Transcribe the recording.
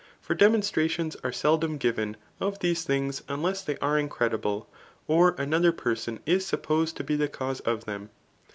For demonstrations are seldom given of these things un less they are incredible, or another person is supposed to be the cause of them.